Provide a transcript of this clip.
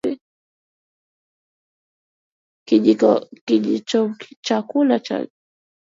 Kijiko cha chakula moja cha chumvi